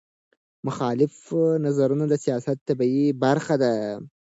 مخالف نظرونه د سیاست طبیعي برخه ده